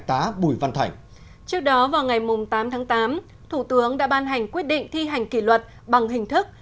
trước đó vào ngày tám tháng tám thủ tướng đã ban hành quyết định thi hành kỷ luật bằng hình thức